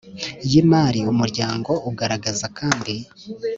Y imari umuryango ugaragaza kandi